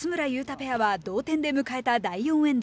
ペアは同点で迎えた第４エンド。